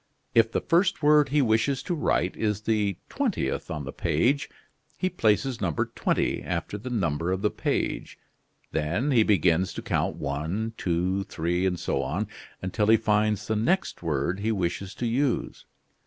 If the first word he wishes to write is the twentieth on the page, he places number 20 after the number of the page; then he begins to count one, two, three, and so on, until he finds the next word he wishes to use.